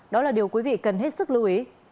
đó là điều quý vị cần hết sức lưu ý